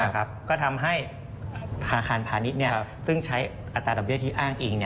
ก็ทำให้ธนาคารพาณิชย์ซึ่งใช้อัตราดอกเบี้ยที่อ้างอิง